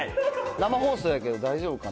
生放送やけど大丈夫かな？